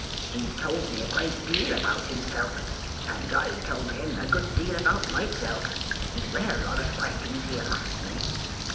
He told me a great deal about himself, and I told him a good deal about myself, and a rare lot of questions he asked me.